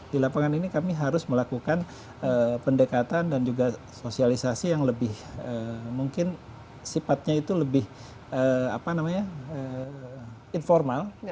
di lapangan ini kami harus melakukan pendekatan dan juga sosialisasi yang lebih mungkin sifatnya itu lebih informal